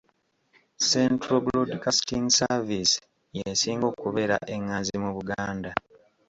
Central Broadcasting Service y'esinga okubeera enganzi mu Buganda.